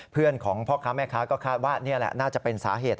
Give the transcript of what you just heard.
เพื่อนของพ่อค้าแม่ค้าก็คาดว่านี่แหละน่าจะเป็นสาเหตุ